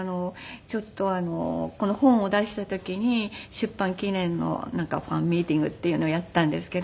ちょっとこの本を出した時に出版記念のなんかファンミーティングっていうのをやったんですけど。